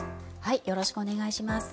よろしくお願いします。